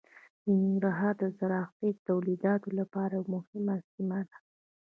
ننګرهار د زراعتي تولیداتو لپاره یوه مهمه سیمه ده.